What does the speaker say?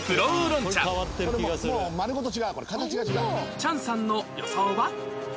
チャンさんの予想は？